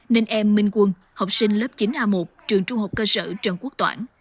nên em minh quân học sinh lớp chín a một trường trung học cơ sở trần quốc toản